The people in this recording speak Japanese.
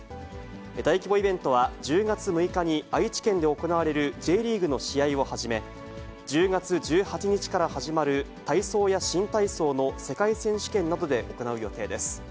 大規模イベントは１０月６日に愛知県で行われるＪリーグの試合をはじめ、１０月１８日から始まる体操や新体操の世界選手権などで行う予定です。